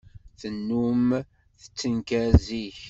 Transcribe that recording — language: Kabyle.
Tennum tettenkar zik.